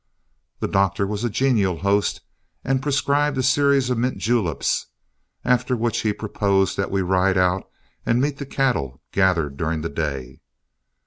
The doctor was a genial host, and prescribed a series of mint juleps, after which he proposed that we ride out and meet the cattle gathered during the day.